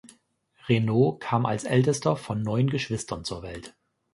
Renault kam als Ältester von neun Geschwistern zur Welt.